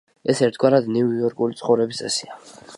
ეს ერთგვარად, ნიუ-იორკული ცხოვრების წესია.